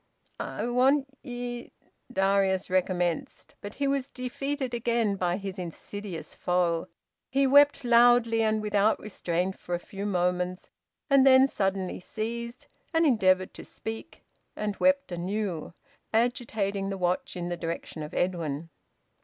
"I want ye " Darius recommenced. But he was defeated again by his insidious foe. He wept loudly and without restraint for a few moments, and then suddenly ceased, and endeavoured to speak, and wept anew, agitating the watch in the direction of Edwin.